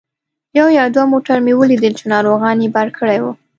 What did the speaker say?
یو یا دوه موټر مې ولیدل چې ناروغان یې بار کړي وو.